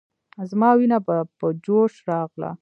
زما وينه به په جوش راغله.